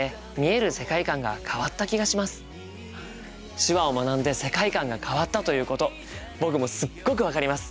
手話を学んで世界観が変わったということ僕もすっごく分かります。